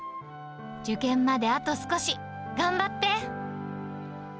受験まであと少し、頑張って！